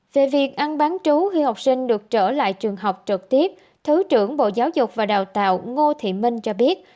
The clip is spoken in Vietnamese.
về việc ăn bán trú khi học sinh được trở lại trường học trực tiếp thứ trưởng bộ giáo dục và đào tạo ngô thị minh cho biết